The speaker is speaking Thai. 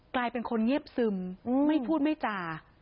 กลายเป็นคนเงียบซึมไม่พูดไม่จ่า